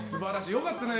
良かったね。